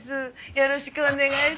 よろしくお願いします。